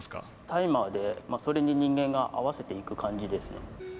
タイマーでそれに人間が合わせていく感じですね。